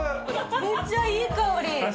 めっちゃいい香り。